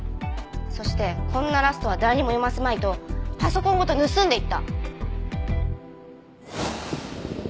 そしてこんなラストは誰にも読ませまいとパソコンごと盗んでいった。